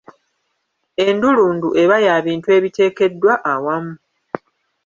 Endulundu eba ya bintu ebiteekeddwa awamu.